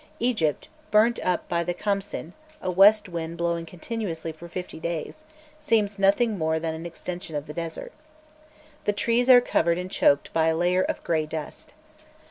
Egypt, burnt up by the Khamsin, a west wind blowing continuously for fifty days, seems nothing more than an extension of the desert. The trees are covered and choked by a layer of grey dust.